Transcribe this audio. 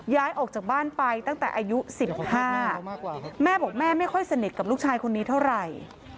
ย้ายออกจากบ้านไปตั้งแต่อายุ๑๕แม่บอกแม่ไม่ค่อยสนิทกับลูกชายคนนี้เท่าไหร่